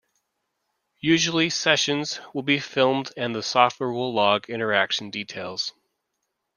Usually, sessions will be filmed and the software will log interaction details.